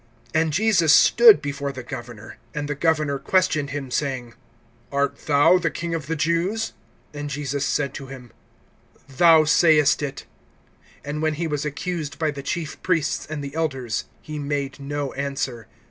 (11)And Jesus stood before the governor. And the governor questioned him, saying: Art thou the king of the Jews? And Jesus said to him: Thou sayest it. (12)And when he was accused by the chief priests and the elders, he made no answer.